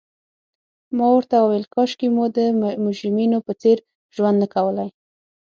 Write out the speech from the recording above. ما ورته وویل: کاشکي مو د مجرمینو په څېر ژوند نه کولای.